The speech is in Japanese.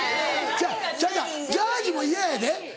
違う違う違うジャージーも嫌やで。